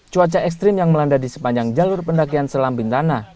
cuaca ekstrim yang melanda di sepanjang jalur pendakian selam bin tanah